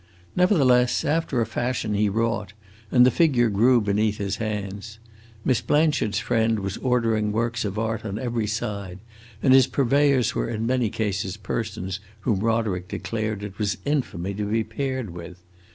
Nevertheless after a fashion he wrought, and the figure grew beneath his hands. Miss Blanchard's friend was ordering works of art on every side, and his purveyors were in many cases persons whom Roderick declared it was infamy to be paired with.